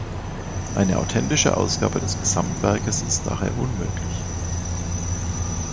Eine authentische Ausgabe des „Gesamtwerkes“ ist daher unmöglich.